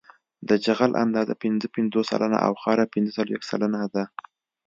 د جغل اندازه پنځه پنځوس سلنه او خاوره پنځه څلویښت سلنه ده